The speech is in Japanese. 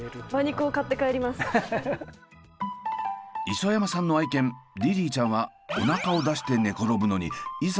磯山さんの愛犬リリーちゃんはおなかを出して寝転ぶのにいざ